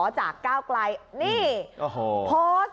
จากเก้ากลายโพสต์